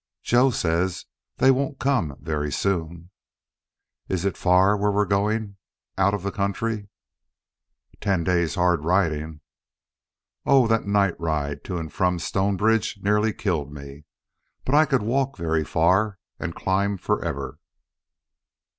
"Joe says they won't come very soon." "Is it far where we're going out of the country?" "Ten days' hard riding." "Oh! That night ride to and from Stonebridge nearly killed me. But I could walk very far, and climb for ever."